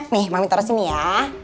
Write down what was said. nih mami taruh sini ya